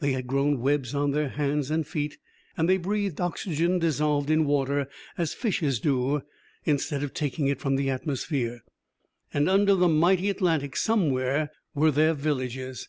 They had grown webs on their hands and feet, and they breathed oxygen dissolved in water, as fishes do, instead of taking it from the atmosphere. And under the mighty Atlantic, somewhere, were their villages.